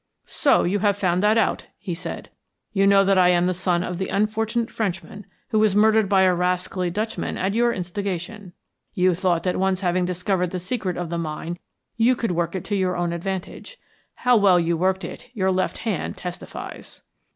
"So you have found that out," he said. "You know that I am the son of the unfortunate Frenchman who was murdered by a rascally Dutchman at your instigation. You thought that once having discovered the secret of the mine you could work it to your own advantage. How well you worked it your left hand testifies."